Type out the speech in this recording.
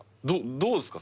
どうっすか？